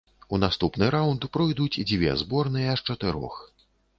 У наступны раўнд пройдуць дзве зборныя з чатырох.